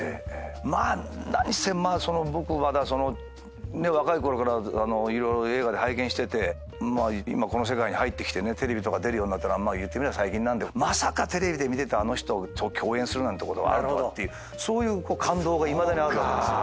まあ何せまあ僕は若いころから色々映画で拝見してて今この世界に入ってきてテレビとか出るようになったのはいってみりゃ最近なんでまさかテレビで見てたあの人と共演するなんてことがあるのかっていうそういう感動がいまだにあるわけですよ。